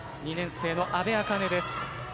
２年生の阿部明音です。